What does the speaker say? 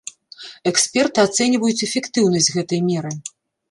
Эксперты ацэньваюць эфектыўнасць гэтай меры.